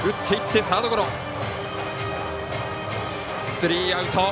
スリーアウト。